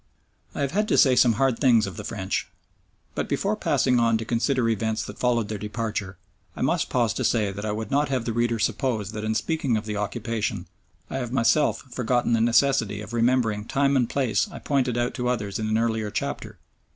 I have had to say some hard things of the French, but before passing on to consider the events that followed their departure I must pause to say that I would not have the reader suppose that in speaking of the occupation, I have myself forgotten the necessity of remembering time and place I pointed out to others in an earlier chapter.